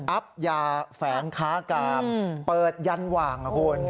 อับยาแฝงค้ากามเปิดยันหว่างนะคุณ